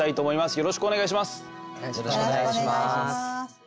よろしくお願いします。